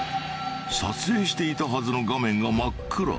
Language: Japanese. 撮影していたはずの画面が真っ暗。